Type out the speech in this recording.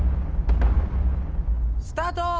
スタート！